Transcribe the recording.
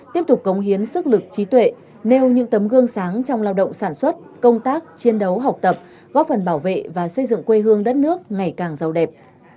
tiếp tục cống hiến sức lực trí tuệ nêu những tấm gương sáng trong lao động sản xuất công tác chiến đấu học tập góp phần bảo vệ và xây dựng quê hương đất nước ngày càng giàu đẹp